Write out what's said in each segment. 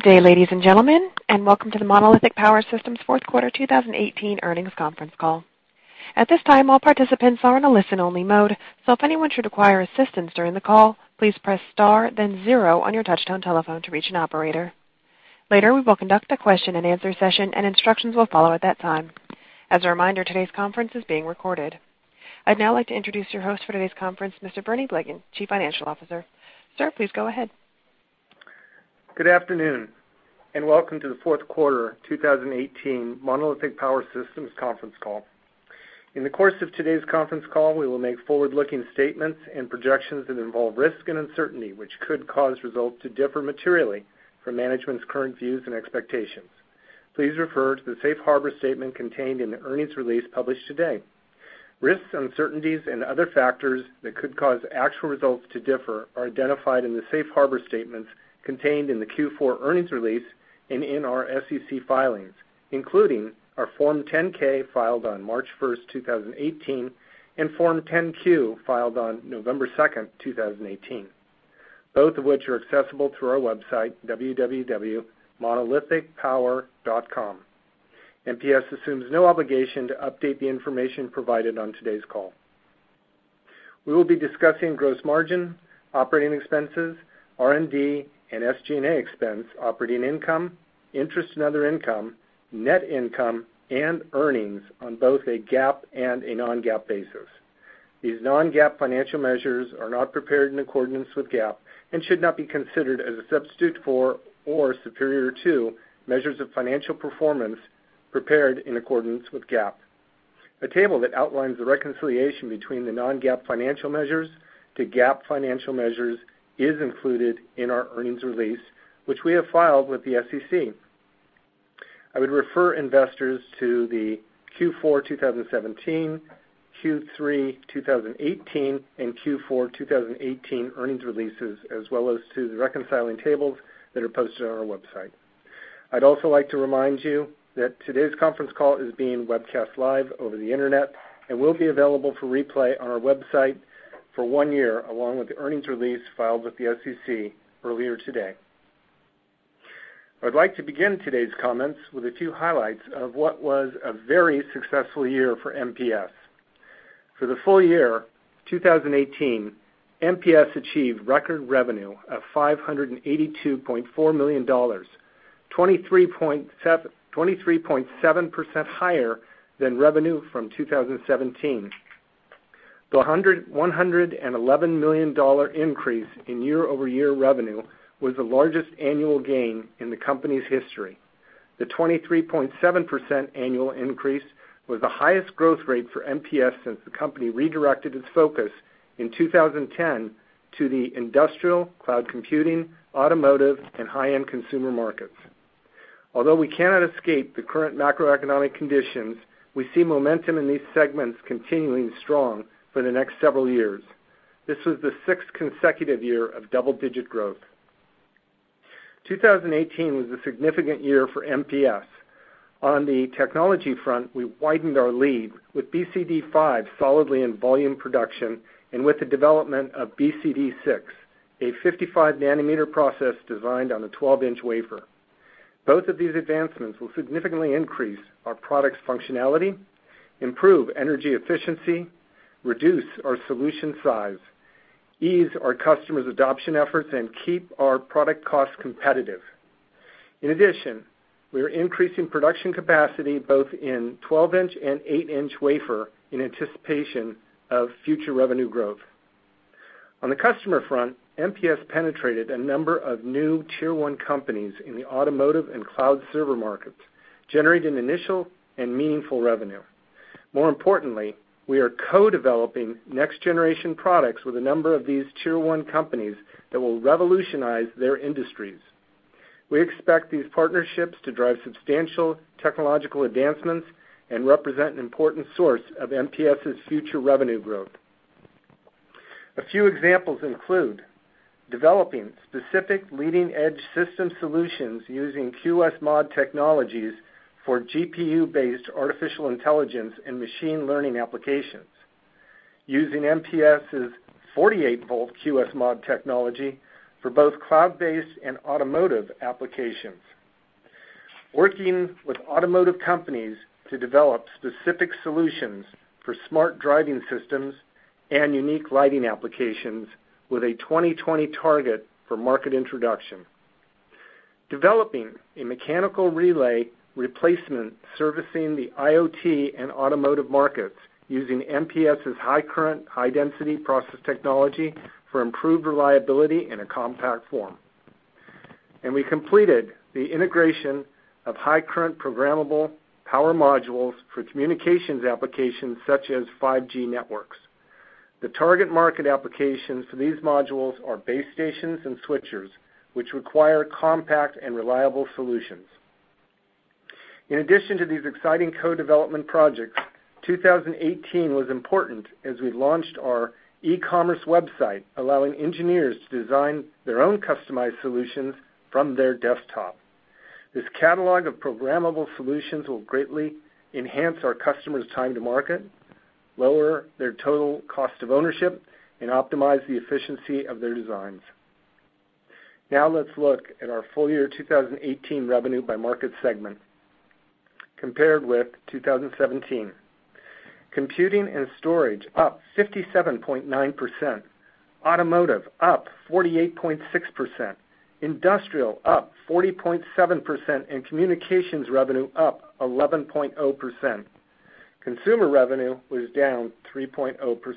Good day, ladies and gentlemen. Welcome to the Monolithic Power Systems fourth quarter 2018 earnings conference call. At this time, all participants are in a listen-only mode, so if anyone should require assistance during the call, please press star then zero on your touchtone telephone to reach an operator. Later, we will conduct a question and answer session. Instructions will follow at that time. As a reminder, today's conference is being recorded. I'd now like to introduce your host for today's conference, Mr. Bernie Blegen, Chief Financial Officer. Sir, please go ahead. Good afternoon. Welcome to the fourth quarter 2018 Monolithic Power Systems conference call. In the course of today's conference call, we will make forward-looking statements and projections that involve risk and uncertainty, which could cause results to differ materially from management's current views and expectations. Please refer to the safe harbor statement contained in the earnings release published today. Risks, uncertainties, and other factors that could cause actual results to differ are identified in the safe harbor statements contained in the Q4 earnings release and in our SEC filings, including our Form 10-K filed on March 1st, 2018, and Form 10-Q filed on November 2nd, 2018, both of which are accessible through our website, www.monolithicpower.com. MPS assumes no obligation to update the information provided on today's call. We will be discussing gross margin, operating expenses, R&D and SG&A expense, operating income, interest and other income, net income, and earnings on both a GAAP and a non-GAAP basis. These non-GAAP financial measures are not prepared in accordance with GAAP and should not be considered as a substitute for or superior to measures of financial performance prepared in accordance with GAAP. A table that outlines the reconciliation between the non-GAAP financial measures to GAAP financial measures is included in our earnings release, which we have filed with the SEC. I would refer investors to the Q4 2017, Q3 2018, and Q4 2018 earnings releases, as well as to the reconciling tables that are posted on our website. I'd also like to remind you that today's conference call is being webcast live over the internet and will be available for replay on our website for one year, along with the earnings release filed with the SEC earlier today. I'd like to begin today's comments with a few highlights of what was a very successful year for MPS. For the full year 2018, MPS achieved record revenue of $582.4 million, 23.7% higher than revenue from 2017. The $111 million increase in year-over-year revenue was the largest annual gain in the company's history. The 23.7% annual increase was the highest growth rate for MPS since the company redirected its focus in 2010 to the industrial, cloud computing, automotive, and high-end consumer markets. Although we cannot escape the current macroeconomic conditions, we see momentum in these segments continuing strong for the next several years. This was the sixth consecutive year of double-digit growth. 2018 was a significant year for MPS. On the technology front, we widened our lead with BCD5 solidly in volume production and with the development of BCD6, a 55-nm process designed on a 12-in wafer. Both of these advancements will significantly increase our product's functionality, improve energy efficiency, reduce our solution size, ease our customers' adoption efforts, and keep our product costs competitive. In addition, we are increasing production capacity both in 12-in and 8-in wafer in anticipation of future revenue growth. On the customer front, MPS penetrated a number of new Tier 1 companies in the automotive and cloud server markets, generating initial and meaningful revenue. More importantly, we are co-developing next-generation products with a number of these Tier 1 companies that will revolutionize their industries. We expect these partnerships to drive substantial technological advancements and represent an important source of MPS' future revenue growth. A few examples include developing specific leading-edge system solutions using QSMod technologies for GPU-based artificial intelligence and machine learning applications; using MPS' 48 V QSMod technology for both cloud-based and automotive applications; working with automotive companies to develop specific solutions for smart driving systems and unique lighting applications with a 2020 target for market introduction; developing a mechanical relay replacement servicing the IoT and automotive markets using MPS' high current, high-density process technology for improved reliability in a compact form; we completed the integration of high current programmable power modules for communications applications such as 5G networks. The target market applications for these modules are base stations and switchers, which require compact and reliable solutions. In addition to these exciting co-development projects, 2018 was important as we launched our e-commerce website, allowing engineers to design their own customized solutions from their desktop. This catalog of programmable solutions will greatly enhance our customers' time to market, lower their total cost of ownership, and optimize the efficiency of their designs. Now let's look at our full year 2018 revenue by market segment compared with 2017. Computing and storage up 57.9%, automotive up 48.6%, industrial up 40.7%, and communications revenue up 11.0%. Consumer revenue was down 3.0%.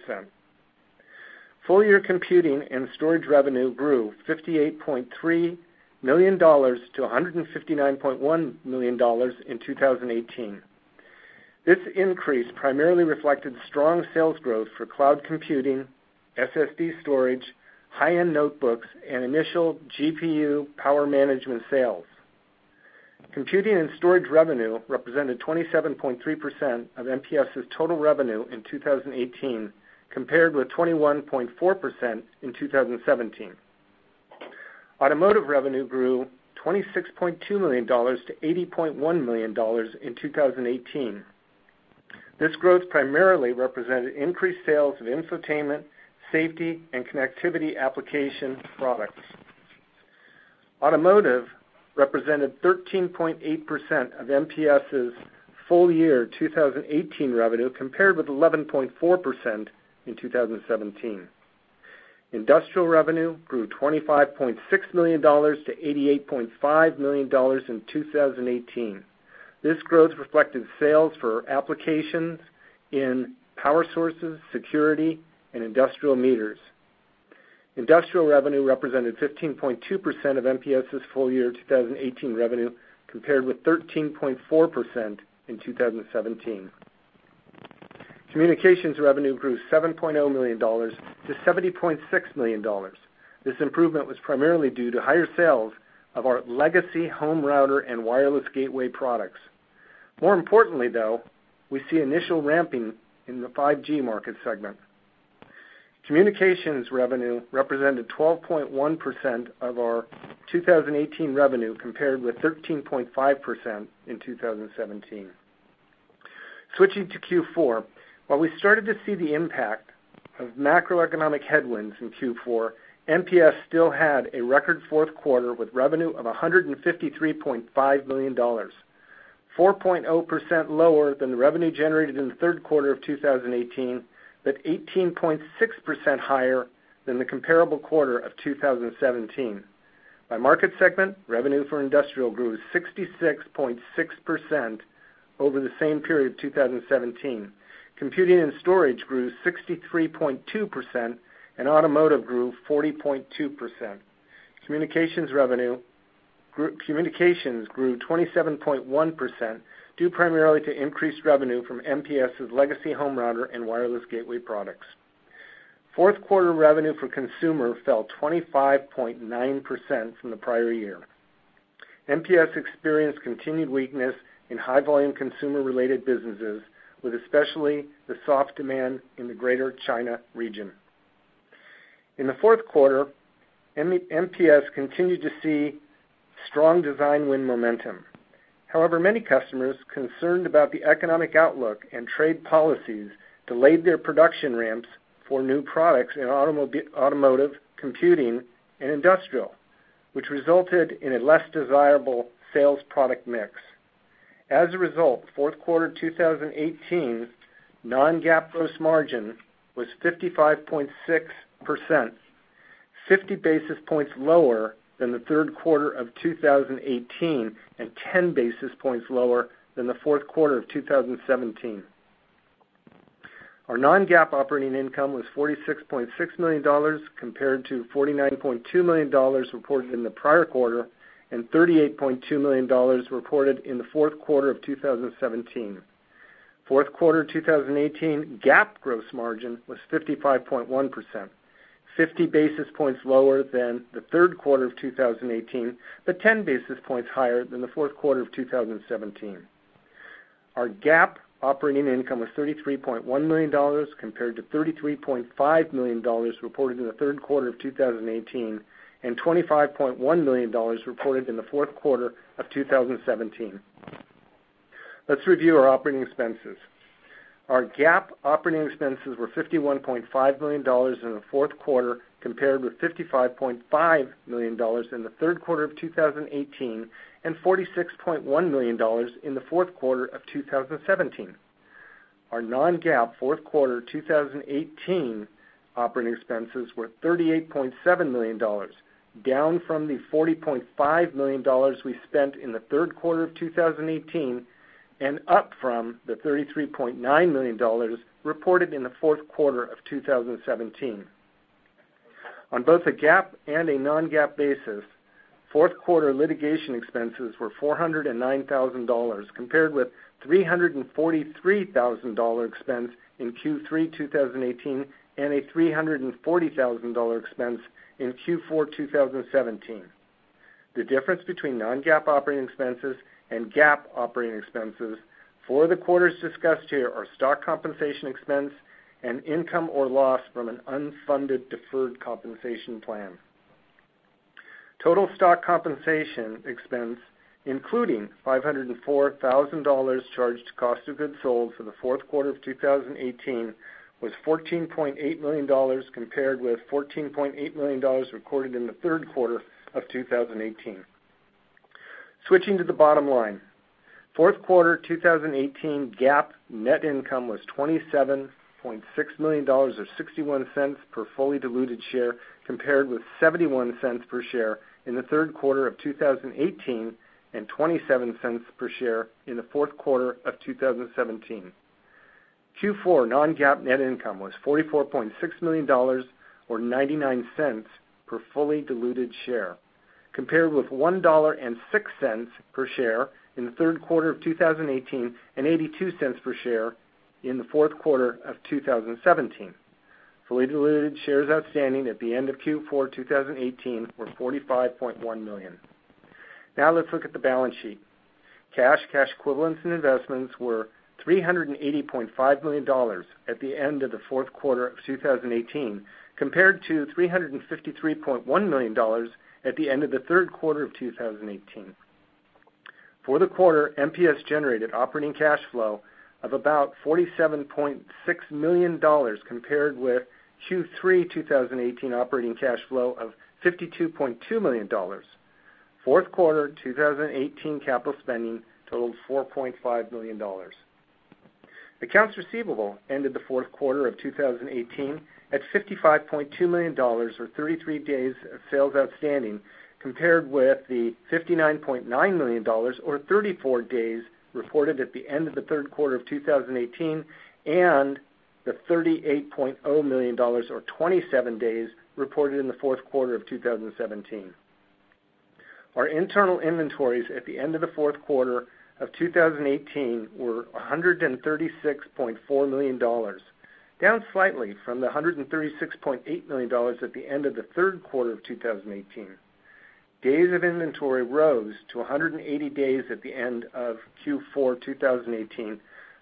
Full year computing and storage revenue grew $58.3 million to $159.1 million in 2018. This increase primarily reflected strong sales growth for cloud computing, SSD storage, high-end notebooks, and initial GPU power management sales. Computing and storage revenue represented 27.3% of MPS's total revenue in 2018, compared with 21.4% in 2017. Automotive revenue grew $26.2 million to $80.1 million in 2018. This growth primarily represented increased sales of infotainment, safety, and connectivity application products. Automotive represented 13.8% of MPS's full year 2018 revenue, compared with 11.4% in 2017. Industrial revenue grew $25.6 million to $88.5 million in 2018. This growth reflected sales for applications in power sources, security, and industrial meters. Industrial revenue represented 15.2% of MPS's full year 2018 revenue, compared with 13.4% in 2017. Communications revenue grew $7.8 million to $70.6 million. This improvement was primarily due to higher sales of our legacy home router and wireless gateway products. More importantly, though, we see initial ramping in the 5G market segment. Communications revenue represented 12.1% of our 2018 revenue, compared with 13.5% in 2017. Switching to Q4, while we started to see the impact of macroeconomic headwinds in Q4, MPS still had a record fourth quarter with revenue of $153.5 million, 4.0% lower than the revenue generated in the third quarter of 2018, but 18.6% higher than the comparable quarter of 2017. By market segment, revenue for industrial grew 66.6% over the same period of 2017. Computing and storage grew 63.2%, and automotive grew 40.2%. Communications grew 27.1%, due primarily to increased revenue from MPS's legacy home router and wireless gateway products. Fourth quarter revenue for consumer fell 25.9% from the prior year. MPS experienced continued weakness in high volume consumer-related businesses, with especially the soft demand in the Greater China region. In the fourth quarter, MPS continued to see strong design win momentum. Many customers concerned about the economic outlook and trade policies delayed their production ramps for new products in automotive, computing, and industrial, which resulted in a less desirable sales product mix. Fourth quarter 2018 non-GAAP gross margin was 55.6%, 50 basis points lower than the third quarter of 2018, and 10 basis points lower than the fourth quarter of 2017. Our non-GAAP operating income was $46.6 million, compared to $49.2 million reported in the prior quarter, and $38.2 million reported in the fourth quarter of 2017. Fourth quarter 2018 GAAP gross margin was 55.1%, 50 basis points lower than the third quarter of 2018, but 10 basis points higher than the fourth quarter of 2017. Our GAAP operating income was $33.1 million, compared to $33.5 million reported in the third quarter of 2018, and $25.1 million reported in the fourth quarter of 2017. Let's review our operating expenses. Our GAAP operating expenses were $51.5 million in the fourth quarter, compared with $55.5 million in the third quarter of 2018, and $46.1 million in the fourth quarter of 2017. Our non-GAAP fourth quarter 2018 operating expenses were $38.7 million, down from the $40.5 million we spent in the third quarter of 2018, and up from the $33.9 million reported in the fourth quarter of 2017. On both a GAAP and a non-GAAP basis, fourth quarter litigation expenses were $409,000, compared with $343,000 expense in Q3 2018, and a $340,000 expense in Q4 2017. The difference between non-GAAP operating expenses and GAAP operating expenses for the quarters discussed here are stock compensation expense and income or loss from an unfunded deferred compensation plan. Total stock compensation expense, including $504,000 charged to cost of goods sold for the fourth quarter of 2018, was $14.8 million, compared with $14.8 million recorded in the third quarter of 2018. Switching to the bottom line. Fourth quarter 2018 GAAP net income was $27.6 million or $0.61 per fully diluted share, compared with $0.71 per share in the third quarter of 2018 and $0.27 per share in the fourth quarter of 2017. Q4 non-GAAP net income was $44.6 million or $0.99 per fully diluted share, compared with $1.06 per share in the third quarter of 2018 and $0.82 per share in the fourth quarter of 2017. Fully diluted shares outstanding at the end of Q4 2018 were $45.1 million. Let's look at the balance sheet. Cash, cash equivalents, and investments were $380.5 million at the end of the fourth quarter of 2018, compared to $353.1 million at the end of the third quarter of 2018. For the quarter, MPS generated operating cash flow of about $47.6 million, compared with Q3 2018 operating cash flow of $52.2 million. Fourth quarter 2018 capital spending totaled $4.5 million. Accounts receivable ended the fourth quarter of 2018 at $55.2 million, or 33 days of sales outstanding, compared with the $59.9 million or 34 days reported at the end of the third quarter of 2018 and the $38.0 million or 27 days reported in the fourth quarter of 2017. Our internal inventories at the end of the fourth quarter of 2018 were $136.4 million, down slightly from the $136.8 million at the end of the third quarter of 2018. Days of inventory rose to 180 days at the end of Q4 2018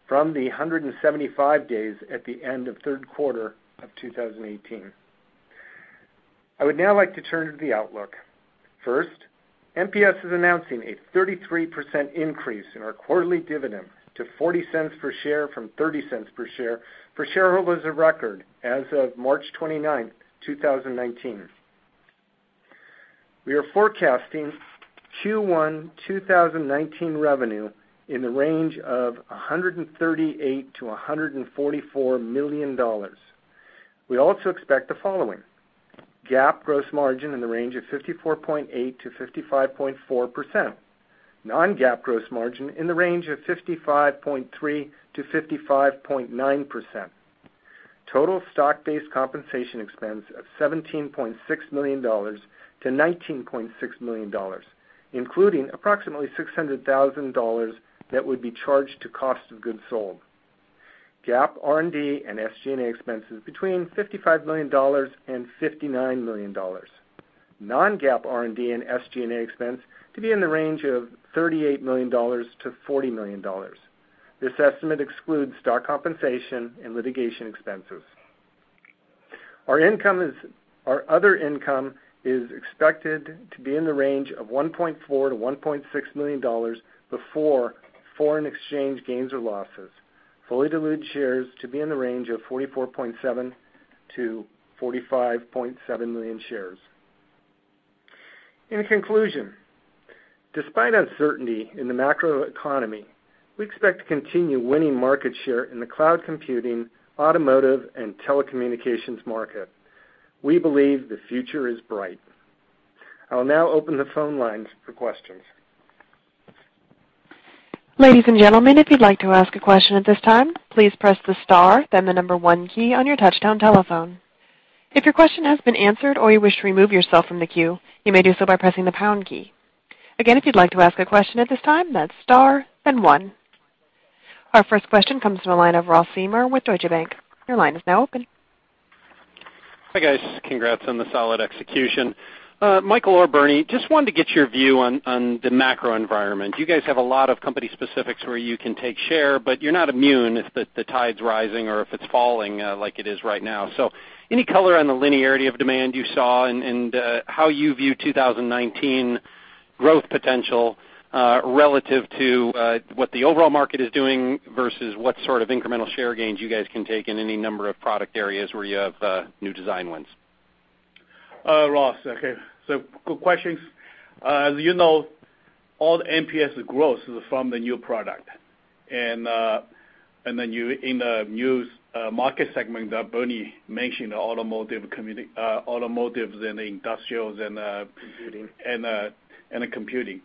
from the 175 days at the end of third quarter of 2018. I would like to turn to the outlook. MPS is announcing a 33% increase in our quarterly dividend to $0.40 per share from $0.30 per share for shareholders of record as of March 29th, 2019. We are forecasting Q1 2019 revenue in the range of $138 million-$144 million. We also expect the following: GAAP gross margin in the range of 54.8%-55.4%. Non-GAAP gross margin in the range of 55.3%-55.9%. Total stock-based compensation expense of $17.6 million-$19.6 million, including approximately $600,000 that would be charged to cost of goods sold. GAAP R&D and SG&A expenses between $55 million and $59 million. Non-GAAP R&D and SG&A expense to be in the range of $38 million-$40 million. This estimate excludes stock compensation and litigation expenses. Our other income is expected to be in the range of $1.4 million-$1.6 million before foreign exchange gains or losses. Fully diluted shares to be in the range of 44.7 million-45.7 million shares. Despite uncertainty in the macroeconomy, we expect to continue winning market share in the cloud computing, automotive, and telecommunications market. We believe the future is bright. I will open the phone lines for questions. Ladies and gentlemen, if you'd like to ask a question at this time, please press the star then the number one key on your touchtone telephone. If your question has been answered or you wish to remove yourself from the queue, you may do so by pressing the pound key. Again, if you'd like to ask a question at this time, that's star then one. Our first question comes from the line of Ross Seymore with Deutsche Bank. Your line is now open. Hi, guys. Congrats on the solid execution. Michael or Bernie, just wanted to get your view on the macro environment. You guys have a lot of company specifics where you can take share, but you're not immune if the tide's rising or if it's falling like it is right now. Any color on the linearity of demand you saw and how you view 2019 growth potential, relative to what the overall market is doing versus what sort of incremental share gains you guys can take in any number of product areas where you have new design wins? Ross, okay. Good questions. As you know, all the MPS growth is from the new product and in the new market segment that Bernie mentioned, automotive, and industrials. Computing The computing.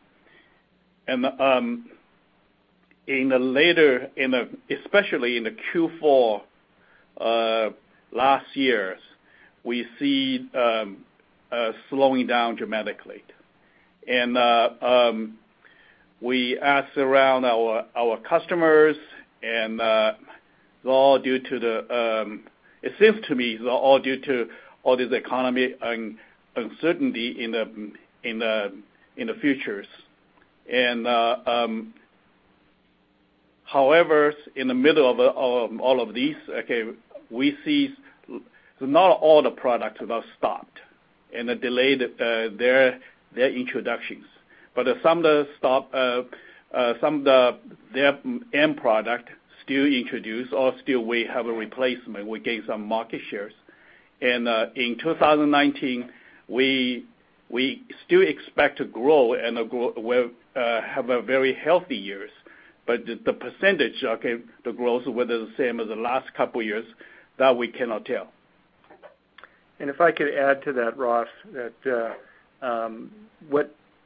Especially in the Q4 last year, we see slowing down dramatically. We asked around our customers, and it seems to me it's all due to all this economic uncertainty in the futures. However, in the middle of all of these, okay, we see not all the products have stopped and delayed their introductions. Some of their end product still introduce or still we have a replacement. We gain some market shares. In 2019, we still expect to grow and have a very healthy years. The percentage, okay, the growth, whether the same as the last couple years, that we cannot tell. If I could add to that, Ross, that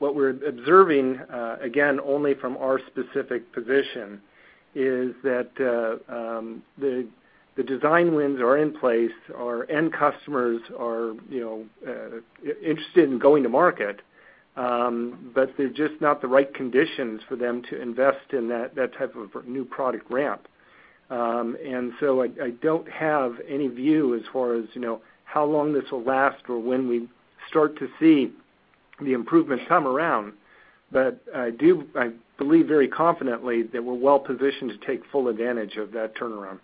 what we're observing, again, only from our specific position, is that the design wins are in place. Our end customers are interested in going to market, but they're just not the right conditions for them to invest in that type of new product ramp. I don't have any view as far as how long this will last or when we start to see the improvements come around. I believe very confidently that we're well positioned to take full advantage of that turnaround.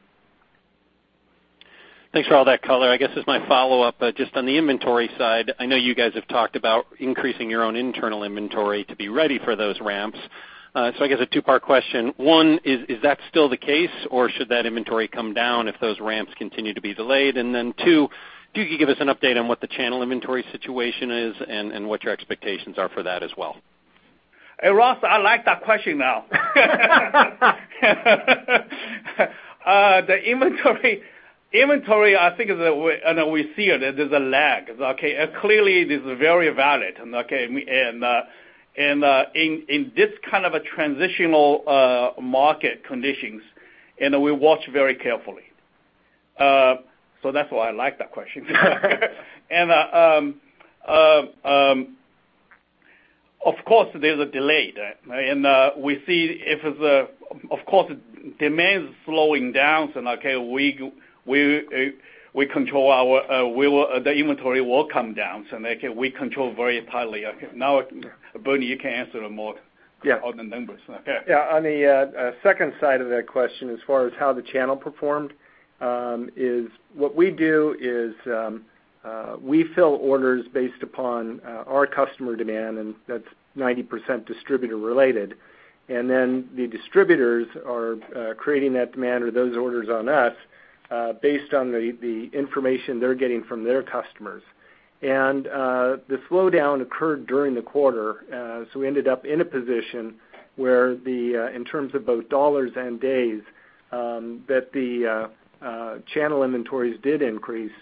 Thanks for all that color. I guess as my follow-up, just on the inventory side, I know you guys have talked about increasing your own internal inventory to be ready for those ramps. I guess a two-part question. One, is that still the case, or should that inventory come down if those ramps continue to be delayed? Two, could you give us an update on what the channel inventory situation is and what your expectations are for that as well? Hey, Ross, I like that question now. The inventory, I think, and we see it, there's a lag. Okay. Clearly, it is very valid, okay? In this kind of a transitional market conditions, and we watch very carefully. That's why I like that question. Of course, there's a delay there, and we see if, of course, demand is slowing down, so okay, the inventory will come down, so we control very tightly. Now, Bernie, you can answer more- Yeah on the numbers. On the second side of that question, as far as how the channel performed, what we do is, we fill orders based upon our customer demand, and that's 90% distributor related. The distributors are creating that demand or those orders on us based on the information they're getting from their customers. The slowdown occurred during the quarter, so we ended up in a position where, in terms of both dollars and days, that the channel inventories did increase.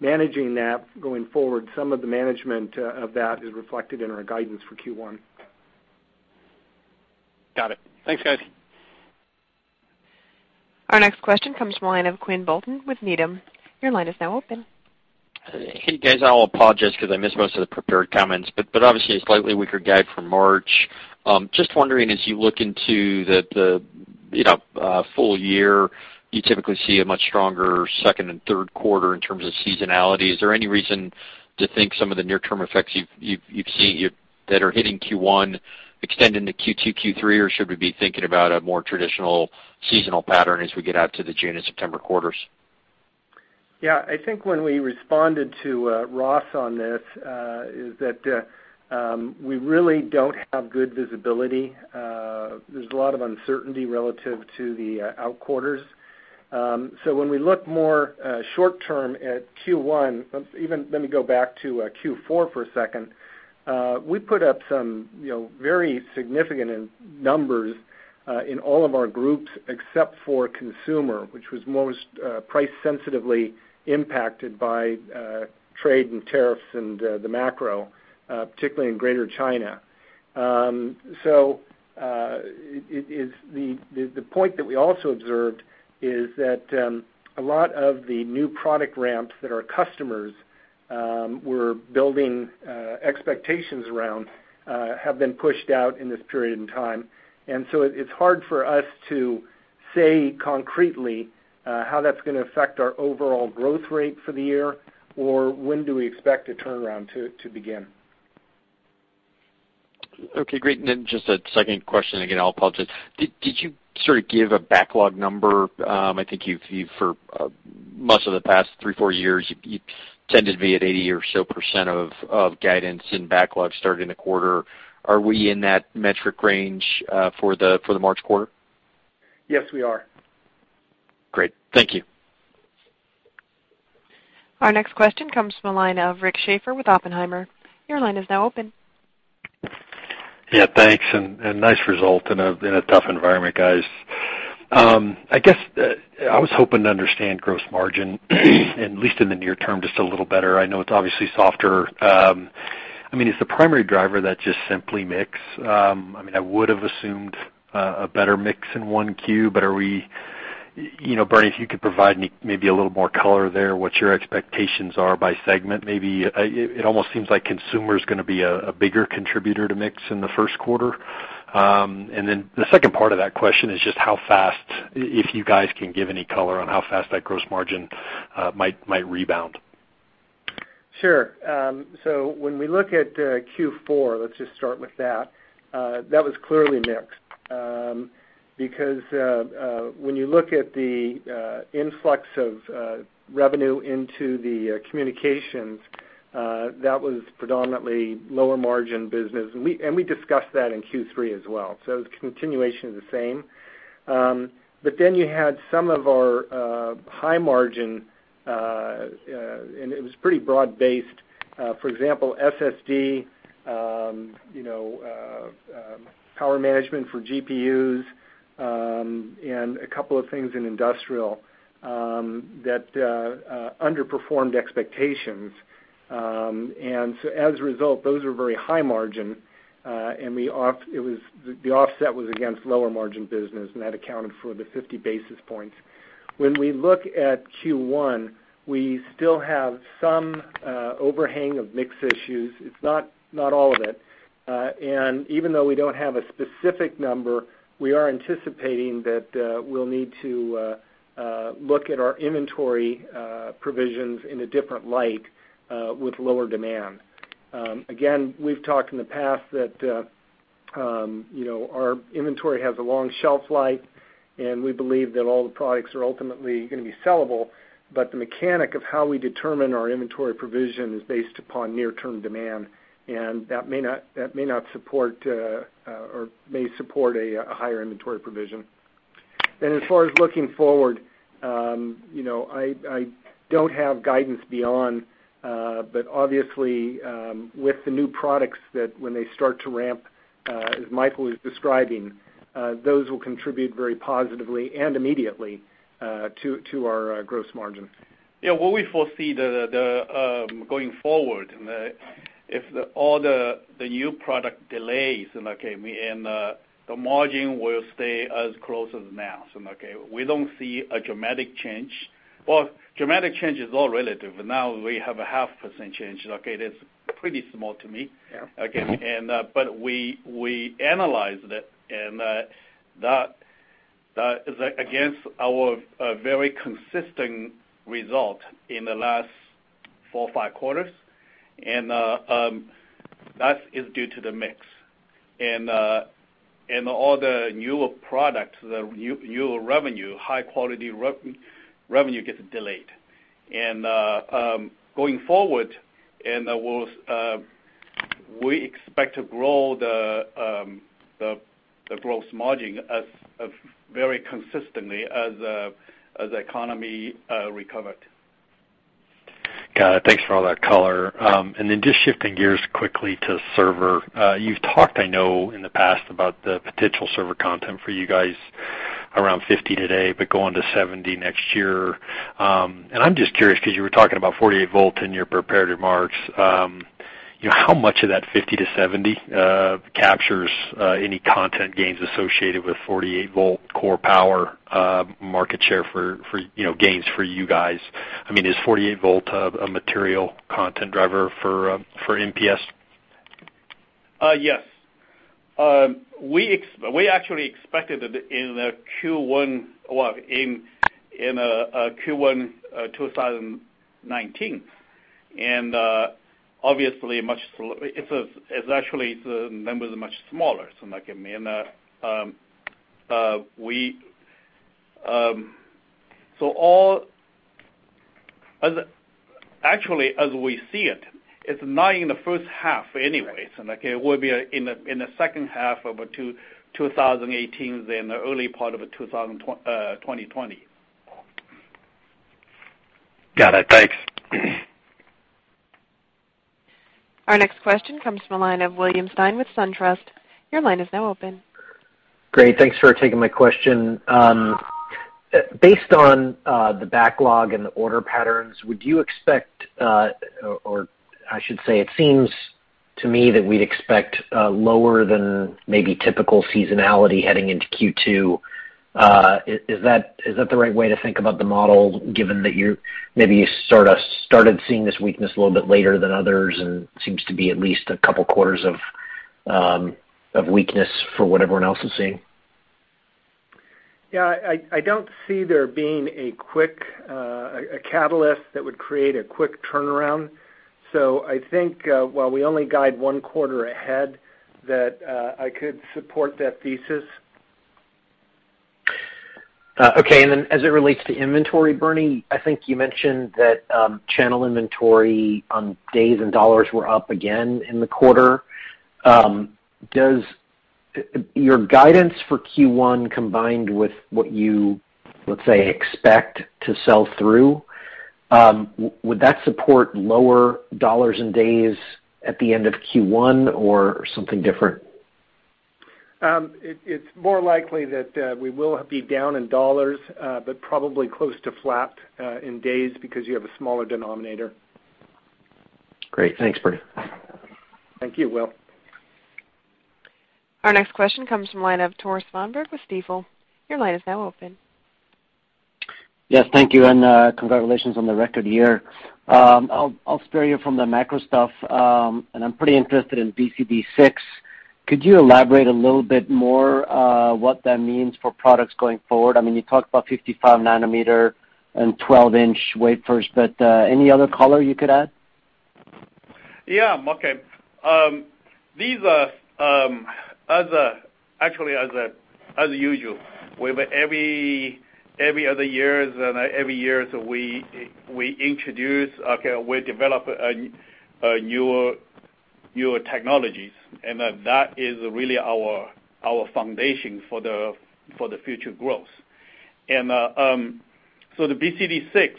Managing that going forward, some of the management of that is reflected in our guidance for Q1. Got it. Thanks, guys. Our next question comes from the line of Quinn Bolton with Needham. Your line is now open. Hey, guys. I'll apologize because I missed most of the prepared comments, obviously a slightly weaker guide for March. Just wondering, as you look into the full year, you typically see a much stronger second and third quarter in terms of seasonality. Is there any reason to think some of the near-term effects you've seen that are hitting Q1 extend into Q2, Q3, or should we be thinking about a more traditional seasonal pattern as we get out to the June and September quarters? Yeah. I think when we responded to Ross on this, is that we really don't have good visibility. There's a lot of uncertainty relative to the out quarters. When we look more short term at Q1, even let me go back to Q4 for a second. We put up some very significant numbers in all of our groups except for consumer, which was most price sensitively impacted by trade and tariffs and the macro, particularly in Greater China. The point that we also observed is that a lot of the new product ramps that our customers were building expectations around have been pushed out in this period in time. It's hard for us to say concretely how that's going to affect our overall growth rate for the year, or when do we expect a turnaround to begin. Okay, great. Just a second question. Again, I'll apologize. Did you sort of give a backlog number? I think for most of the past three, four years, you tended to be at 80% or so of guidance in backlog starting the quarter. Are we in that metric range for the March quarter? Yes, we are. Great. Thank you. Our next question comes from the line of Rick Schafer with Oppenheimer. Your line is now open. Yeah, thanks, nice result in a tough environment, guys. I guess I was hoping to understand gross margin, at least in the near term, just a little better. I know it's obviously softer. Is the primary driver that just simply mix? I would've assumed a better mix in 1Q, Bernie, if you could provide maybe a little more color there, what your expectations are by segment, maybe. It almost seems like consumer's going to be a bigger contributor to mix in the first quarter. The second part of that question is just how fast, if you guys can give any color on how fast that gross margin might rebound. Sure. When we look at Q4, let's just start with that. That was clearly mixed. When you look at the influx of revenue into the communications, that was predominantly lower margin business. We discussed that in Q3 as well. It was a continuation of the same. You had some of our high margin, and it was pretty broad-based, for example, SSD, power management for GPUs, and a couple of things in industrial, that underperformed expectations. As a result, those were very high margin, and the offset was against lower margin business, and that accounted for the 50 basis points. When we look at Q1, we still have some overhang of mix issues. It's not all of it. Even though we don't have a specific number, we are anticipating that we'll need to look at our inventory provisions in a different light, with lower demand. Again, we've talked in the past that our inventory has a long shelf life, and we believe that all the products are ultimately going to be sellable. The mechanic of how we determine our inventory provision is based upon near-term demand, and that may support a higher inventory provision. As far as looking forward, I don't have guidance beyond, but obviously, with the new products that when they start to ramp, as Michael was describing, those will contribute very positively and immediately to our gross margin. What we foresee going forward, if all the new product delays, the margin will stay as close as now. We don't see a dramatic change. Well, dramatic change is all relative. Now we have a 0.5% change. It's pretty small to me. Yeah. We analyzed it, that is against our very consistent result in the last four or five quarters, that is due to the mix. All the newer product, the newer revenue, high quality revenue gets delayed. Going forward, we expect to grow the gross margin very consistently as the economy recovered. Got it. Thanks for all that color. Just shifting gears quickly to server. You've talked, I know, in the past about the potential server content for you guys, around 50% today, going to 70% next year. I'm just curious because you were talking about 48 V in your prepared remarks. How much of that 50%-70% captures any content gains associated with 48 V core power market share gains for you guys? I mean, is 48 V a material content driver for MPS? Yes. We actually expected it in Q1 2019, obviously, actually, the number is much smaller. Actually, as we see it's not in the first half anyway. It will be in the second half of 2018, the early part of 2020. Got it. Thanks. Our next question comes from the line of William Stein with SunTrust. Your line is now open. Great. Thanks for taking my question. Based on the backlog and the order patterns, would you expect, or I should say it seems to me that we'd expect lower than maybe typical seasonality heading into Q2. Is that the right way to think about the model, given that maybe you sort of started seeing this weakness a little bit later than others, and seems to be at least a couple quarters of weakness for what everyone else is seeing? Yeah. I don't see there being a catalyst that would create a quick turnaround. I think, while we only guide one quarter ahead, that I could support that thesis. Okay. As it relates to inventory, Bernie, I think you mentioned that channel inventory on days and dollars were up again in the quarter. Does your guidance for Q1 combined with what you, let's say, expect to sell through, would that support lower dollars and days at the end of Q1 or something different? It's more likely that we will be down in dollars, but probably close to flat in days because you have a smaller denominator. Great. Thanks, Bernie. Thank you, Will. Our next question comes from line of Tore Svanberg with Stifel. Your line is now open. Yes, thank you. Congratulations on the record year. I'll spare you from the macro stuff. I'm pretty interested in BCD6, could you elaborate a little bit more, what that means for products going forward? You talked about 55 nm and 12-in wafers, any other color you could add? Yeah. Okay. Actually, as usual, every other years and every years, we introduce, we develop newer technologies, that is really our foundation for the future growth. The BCD6,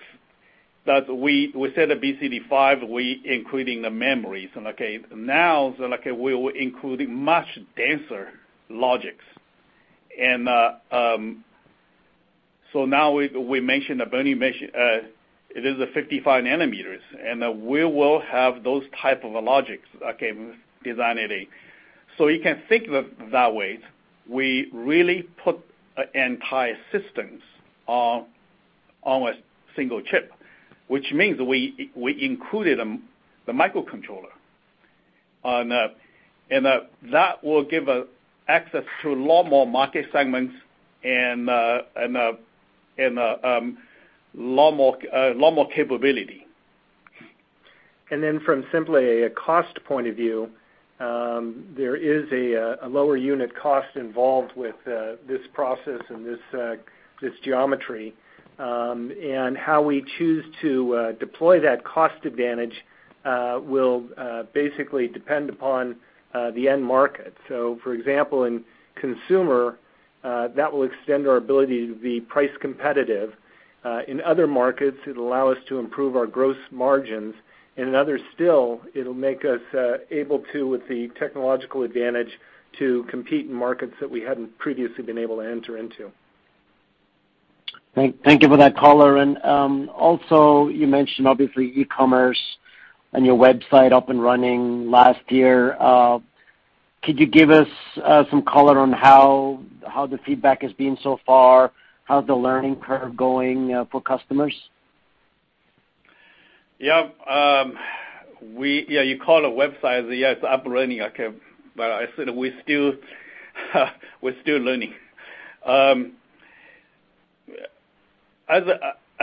that we said the BCD5, we including the memories, now, we will including much denser logics. Now we mentioned, Bernie mentioned, it is a 55 nm, we will have those type of logics, design it in. You can think of it that way. We really put entire systems on a single chip, which means we included the microcontroller, that will give access to lot more market segments and, lot more capability. Then from simply a cost point of view, there is a lower unit cost involved with this process and this geometry. How we choose to deploy that cost advantage, will basically depend upon the end market. For example, in consumer, that will extend our ability to be price competitive. In other markets, it'll allow us to improve our gross margins. In others still, it'll make us able to, with the technological advantage, to compete in markets that we hadn't previously been able to enter into. Thank you for that color, and, also you mentioned obviously e-commerce and your website up and running last year. Could you give us some color on how the feedback has been so far, how the learning curve going, for customers? Yeah. You call a website, yes, up and running. Okay. I said we're still learning.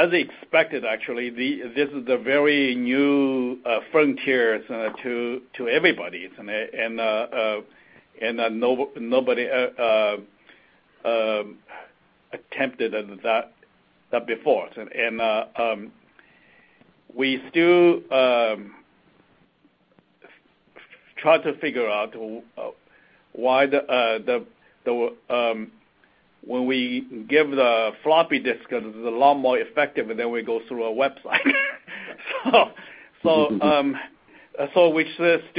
As expected, actually, this is a very new frontier to everybody, and nobody attempted that before. We still try to figure out why when we give the floppy disk, it is a lot more effective than we go through a website. We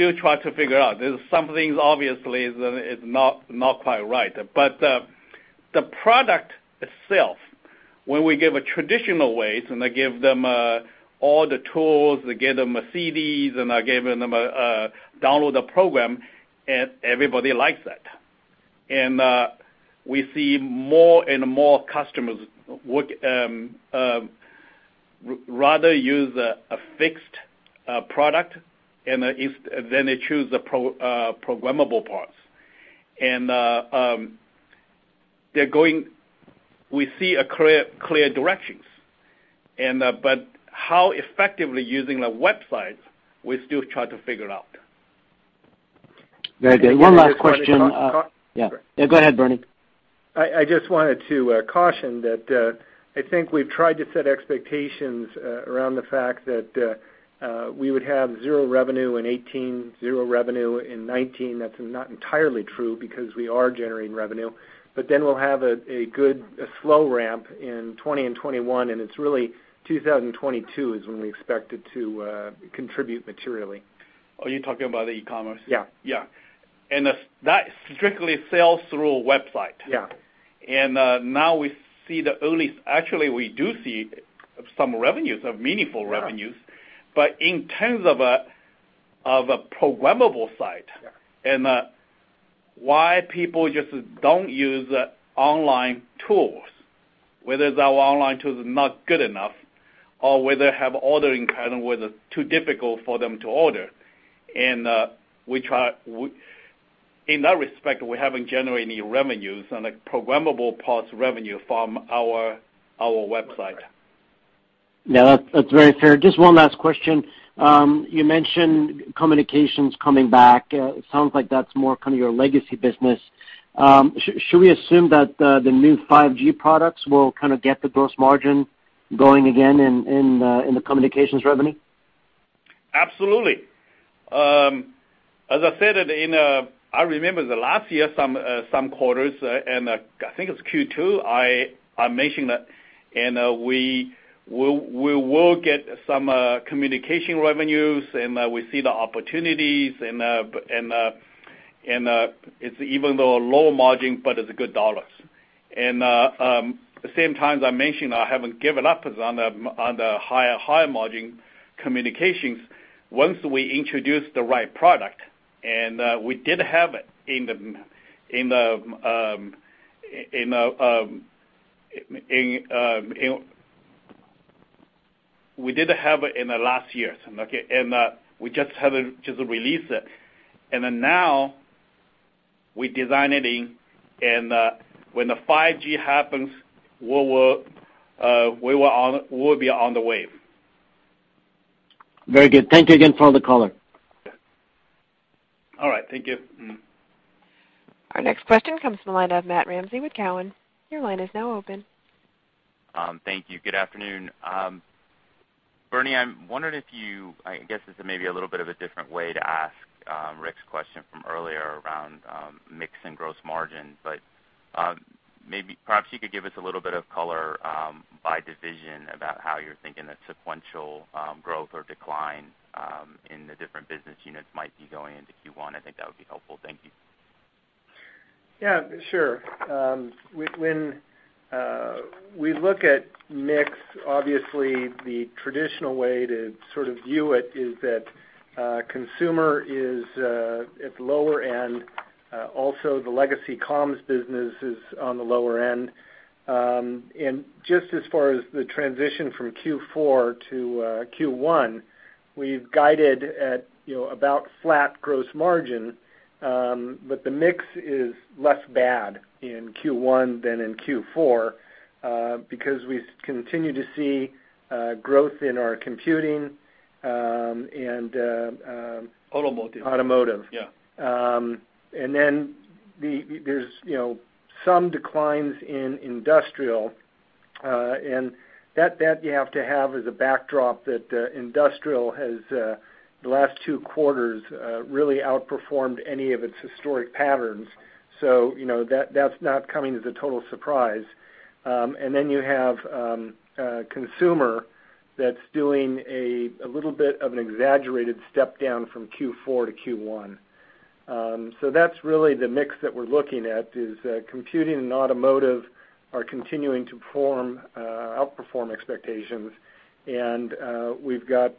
still try to figure out. There's some things obviously that is not quite right. The product itself, when we give a traditional ways, and I give them all the tools, I give them CDs, and I give them a downloaded program, everybody likes that. We see more and more customers would rather use a fixed product, than they choose the programmable parts. We see a clear directions. How effectively using the websites, we still try to figure out. Very good. One last question. Can I just caution- Yeah. Go ahead, Bernie. I just wanted to caution that, I think we've tried to set expectations around the fact that we would have zero revenue in 2018, zero revenue in 2019. That's not entirely true, because we are generating revenue. We'll have a good slow ramp in 2020 and 2021, and it's really 2022 is when we expect it to contribute materially. Are you talking about eCommerce? Yeah. Yeah. That strictly sales through a website. Yeah. Actually, we do see some revenues, some meaningful revenues. Yeah. In terms of a programmable site- Yeah why people just don't use online tools, whether it's our online tools is not good enough or whether have ordering pattern, whether too difficult for them to order. In that respect, we haven't generated any revenues on a programmable parts revenue from our website. Okay. Yeah. That's very fair. Just one last question. You mentioned communications coming back. It sounds like that's more kind of your legacy business. Should we assume that the new 5G products will kind of get the gross margin going again in the communications revenue? Absolutely. As I said in, I remember the last year, some quarters, and I think it's Q2, I mentioned that, and we will get some communication revenues, and we see the opportunities and, it's even though low margin, but it's good dollars. Same time, as I mentioned, I haven't given up on the higher margin communications once we introduce the right product. We did have it in the last year. We just had to release it. Now we design it in, and when the 5G happens, we'll be on the wave. Very good. Thank you again for all the color. All right. Thank you. Our next question comes from the line of Matt Ramsay with Cowen. Your line is now open. Thank you. Good afternoon. Bernie, I'm wondering if you, I guess this is maybe a little bit of a different way to ask Rick's question from earlier around mix and gross margin, but perhaps you could give us a little bit of color by division about how you're thinking the sequential growth or decline in the different business units might be going into Q1. I think that would be helpful. Thank you. Yeah, sure. When we look at mix, obviously the traditional way to sort of view it is that consumer is at the lower end. Also, the legacy comms business is on the lower end. Just as far as the transition from Q4 to Q1, we've guided at about flat gross margin, the mix is less bad in Q1 than in Q4, because we continue to see growth in our computing. Automotive automotive. Yeah. There's some declines in industrial, that you have to have as a backdrop that industrial has, the last two quarters, really outperformed any of its historic patterns. That's not coming as a total surprise. You have consumer that's doing a little bit of an exaggerated step down from Q4 to Q1. That's really the mix that we're looking at, is computing and automotive are continuing to outperform expectations, and we've got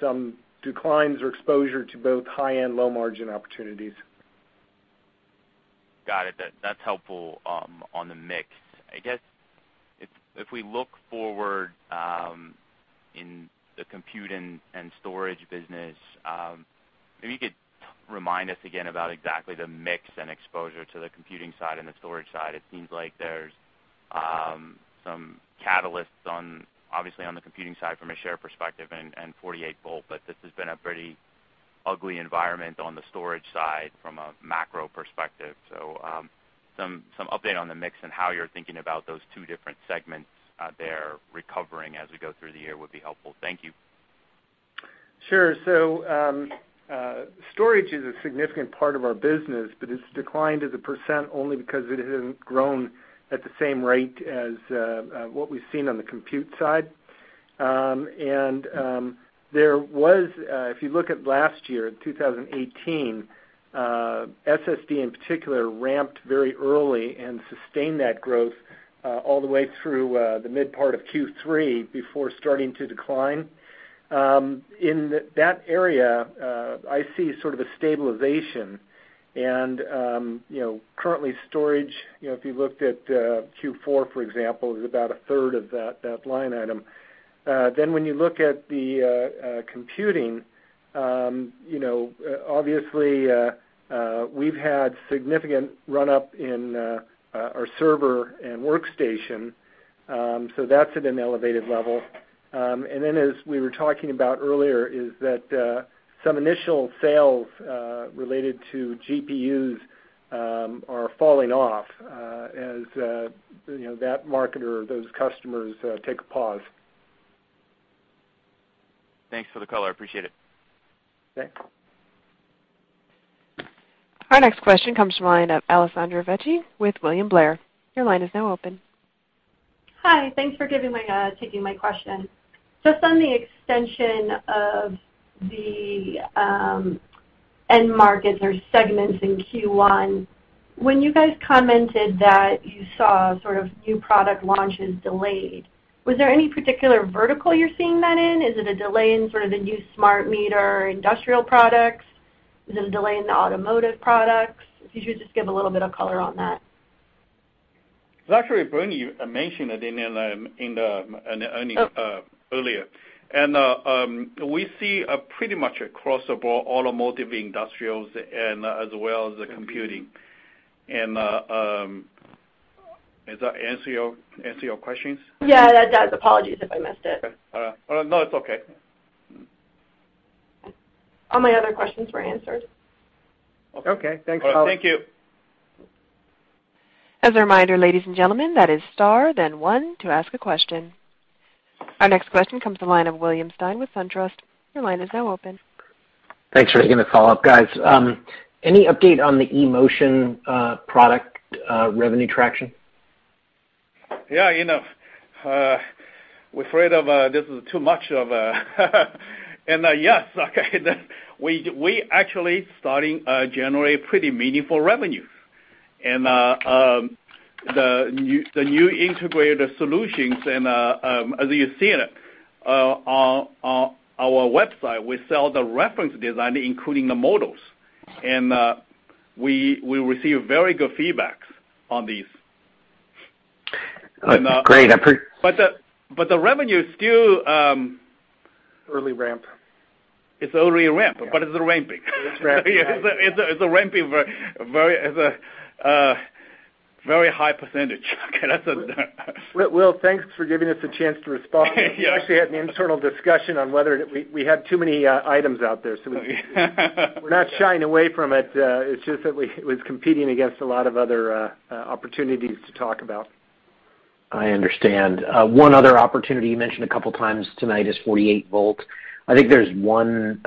some declines or exposure to both high and low margin opportunities. Got it. That's helpful on the mix. I guess, if we look forward in the compute and storage business, maybe you could remind us again about exactly the mix and exposure to the computing side and the storage side. It seems like there's some catalysts, obviously on the computing side from a share perspective and 48 V, this has been a pretty ugly environment on the storage side from a macro perspective. Some update on the mix and how you're thinking about those two different segments there recovering as we go through the year would be helpful. Thank you. Sure. Storage is a significant part of our business, but it's declined as a percent only because it hasn't grown at the same rate as what we've seen on the compute side. If you look at last year, 2018, SSD in particular ramped very early and sustained that growth all the way through the mid part of Q3 before starting to decline. In that area, I see sort of a stabilization and currently storage, if you looked at Q4, for example, is about a third of that line item. When you look at the computing, obviously we've had significant run-up in our server and workstation, that's at an elevated level. As we were talking about earlier, is that some initial sales related to GPUs are falling off as that market or those customers take a pause. Thanks for the color. I appreciate it. Okay. Our next question comes from the line of Alessandra Vecchi with William Blair. Your line is now open. Hi. Thanks for taking my question. Just on the extension of the end markets or segments in Q1, when you guys commented that you saw sort of new product launches delayed, was there any particular vertical you're seeing that in? Is it a delay in sort of the new smart meter industrial products? Is it a delay in the automotive products? If you could just give a little bit of color on that. Actually, Bernie mentioned it earlier. We see pretty much across the board, automotive, industrials, and as well as computing. Does that answer your questions? Yeah, that does. Apologies if I missed it. Okay. No, it's okay. All my other questions were answered. Okay. Thanks, Alex. Thank you. As a reminder, ladies and gentlemen, that is star then one to ask a question. Our next question comes to the line of William Stein with SunTrust. Your line is now open. Thanks for taking the follow-up, guys. Any update on the eMotion product revenue traction? Yeah. We're afraid this is too much of a. Yes. Okay. We actually starting generate pretty meaningful revenues. The new integrated solutions, as you have seen, Our website, we sell the reference design, including the models. We receive very good feedback on these. Great. The revenue is still. Early ramp. It's early ramp, but it's ramping. It's ramping. It's ramping, very high %. Okay, that's it. Will, thanks for giving us a chance to respond. Yeah. We actually had an internal discussion on whether we had too many items out there. We're not shying away from it. It's just that it was competing against a lot of other opportunities to talk about. I understand. One other opportunity you mentioned a couple of times tonight is 48 V. I think there's one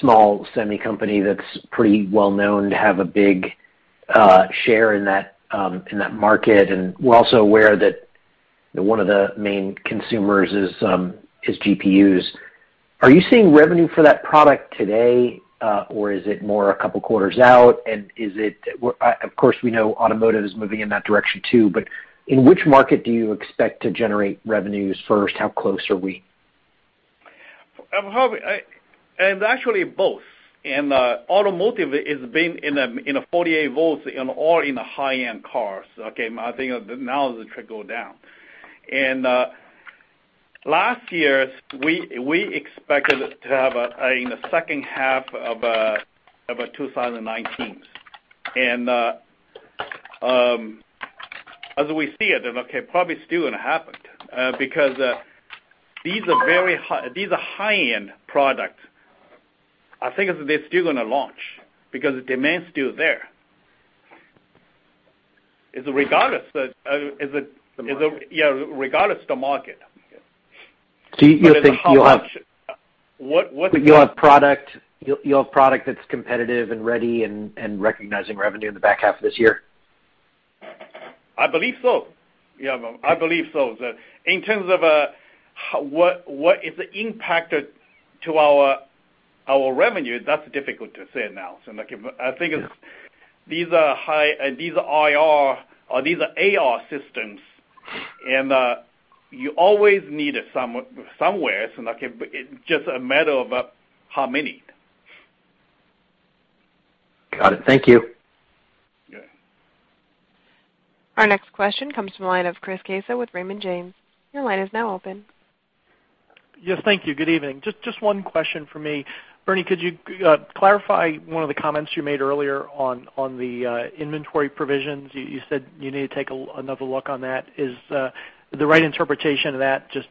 small semi company that's pretty well-known to have a big share in that market. We're also aware that one of the main consumers is GPUs. Are you seeing revenue for that product today? Or is it more a couple quarters out? Of course, we know automotive is moving in that direction too, but in which market do you expect to generate revenues first? How close are we? It's actually both. Automotive has been in a 48 V in all in the high-end cars, okay. I think now it should go down. Last year, we expected to have in the second half of 2019. As we see it, okay, probably still going to happen. Because these are high-end product. I think they're still going to launch, because the demand's still there, regardless the- The market Yeah, regardless the market. You think you'll have product that's competitive and ready and recognizing revenue in the back half of this year? I believe so. Yeah. I believe so. In terms of what is the impact to our revenue, that's difficult to say now. I think these are AR systems, and you always need it somewhere, it's just a matter of how many. Got it. Thank you. Yeah. Our next question comes from the line of Chris Caso with Raymond James. Your line is now open. Yes, thank you. Good evening. Just one question for me. Bernie, could you clarify one of the comments you made earlier on the inventory provisions? You said you need to take another look on that. Is the right interpretation of that just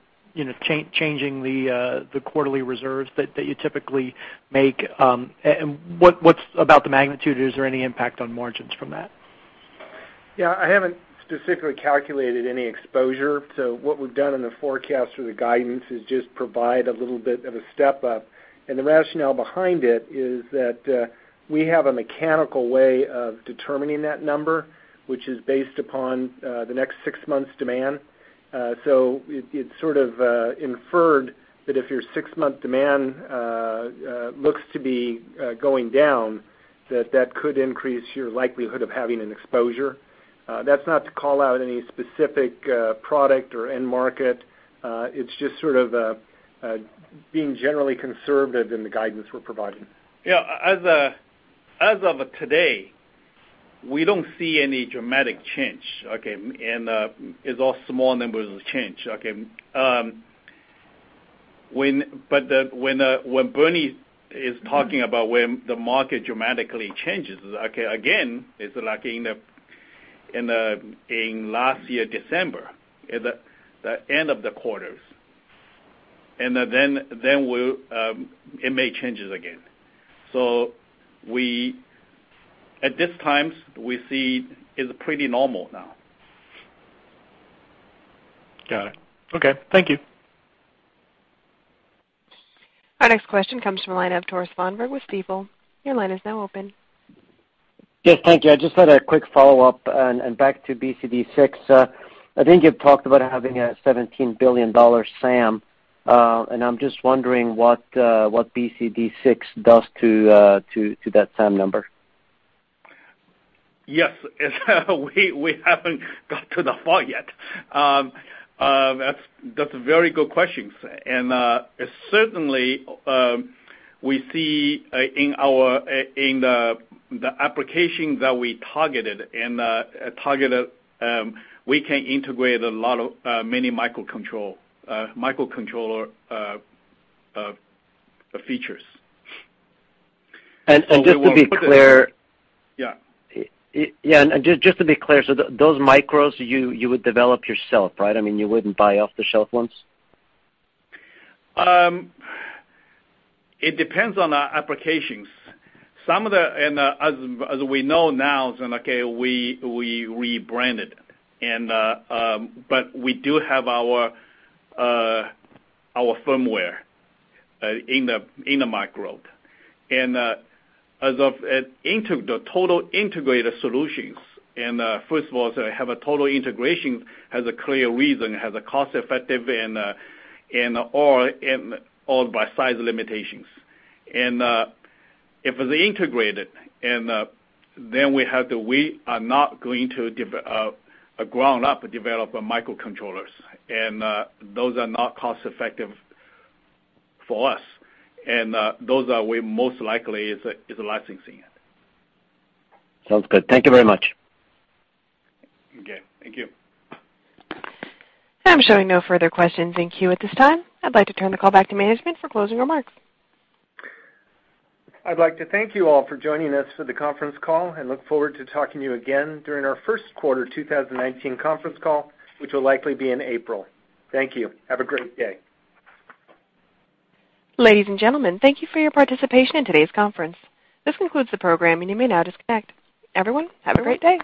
changing the quarterly reserves that you typically make? What about the magnitude? Is there any impact on margins from that? Yeah, I haven't specifically calculated any exposure. What we've done in the forecast or the guidance is just provide a little bit of a step-up. The rationale behind it is that we have a mechanical way of determining that number, which is based upon the next six months demand. It sort of inferred that if your six-month demand looks to be going down, that that could increase your likelihood of having an exposure. That's not to call out any specific product or end market. It's just sort of being generally conservative in the guidance we're providing. Yeah. As of today, we don't see any dramatic change, okay? It's all small numbers change, okay? When Bernie is talking about when the market dramatically changes, again, it's like in last year, December, the end of the quarters. Then it may change again. At this time, we see it's pretty normal now. Got it. Okay. Thank you. Our next question comes from the line of Tore Svanberg with Stifel. Your line is now open. Yes, thank you. I just had a quick follow-up and back to BCD6. I think you've talked about having a $17 billion SAM, and I'm just wondering what BCD6 does to that SAM number. Yes. We haven't got to the fall yet. That's a very good question. Certainly, we see in the application that we targeted, we can integrate many microcontroller features. Just to be clear. Yeah. Yeah, just to be clear, those micros, you would develop yourself, right? You wouldn't buy off-the-shelf ones? It depends on the applications. As we know now, we rebranded. We do have our firmware in the micro. As of the total integrated solutions, and first of all, to have a total integration has a clear reason, has a cost effective and all by size limitations. If it's integrated, then we are not going to, ground up, develop microcontrollers. Those are not cost effective for us. Those are we most likely is licensing it. Sounds good. Thank you very much. Okay. Thank you. I'm showing no further questions in queue at this time. I'd like to turn the call back to management for closing remarks. I'd like to thank you all for joining us for the conference call and look forward to talking to you again during our first quarter 2019 conference call, which will likely be in April. Thank you. Have a great day. Ladies and gentlemen, thank you for your participation in today's conference. This concludes the program, and you may now disconnect. Everyone, have a great day.